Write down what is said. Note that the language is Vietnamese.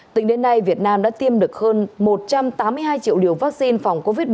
tính đến nay việt nam đã tiêm được hơn một trăm tám mươi hai triệu liều vaccine phòng covid một mươi chín